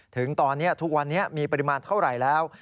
ถึงตอนนี้ทุกวันนี้มีปริมาณเท่าไหร่แล้ว